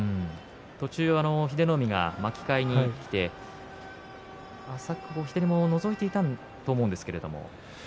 途中、英乃海が巻き替えにきて浅く左ものぞいていたと思うんですけれど。